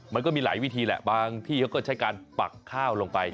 มันก็มีหลายวิธีแหละบางที่เขาก็ใช้การปักข้าวลงไป